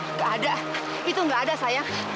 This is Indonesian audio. nggak ada itu nggak ada saya